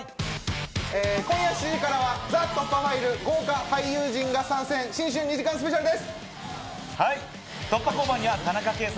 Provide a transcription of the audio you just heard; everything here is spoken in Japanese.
今夜７時からは『ＴＨＥ突破ファイル』豪華俳優陣が参戦、新春２時間スペシャルです。